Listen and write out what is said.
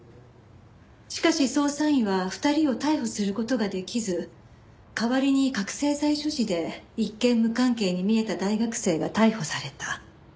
しかし捜査員は２人を逮捕する事ができず代わりに覚醒剤所持で一見無関係に見えた大学生が逮捕された。